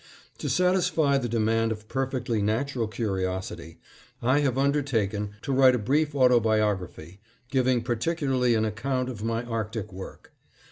To satisfy the demand of perfectly natural curiosity, I have undertaken to write a brief autobiography, giving particularly an account of my Arctic work.